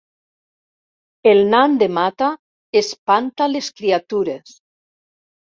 El nan de Mata espanta les criatures